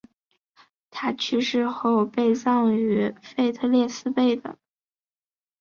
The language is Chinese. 他去世后被葬于腓特烈斯贝的。